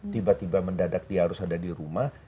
tiba tiba mendadak dia harus ada di rumah